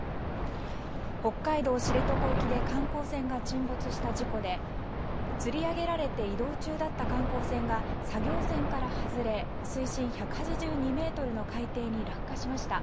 北海道知床沖で観光船が沈没した事故でつり上げられて移動中だった観光船が作業船から外れ水深１８２ｍの海底に落下しました。